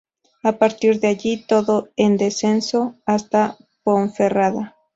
A partir de allí, todo en descenso hasta Ponferrada.